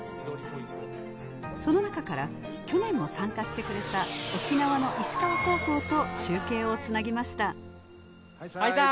その中から去年も参加してくれた沖縄の石川高校と中継をつなぎましたハイサイ。